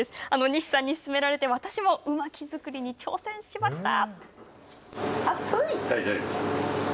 西さんに勧められて私も、うまき作りに挑戦しました。